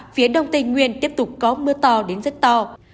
phía đông tây nguyên tiếp tục có mưa to đến rất to